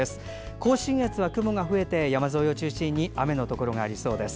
甲信越は雲が増えて山沿いを中心に雨の降るところがありそうです。